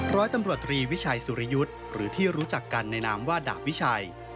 ร้อยตำรวจตรีวิชัยสุริยุทธ์หรือที่รู้จักกันในนามว่าดาบวิชัย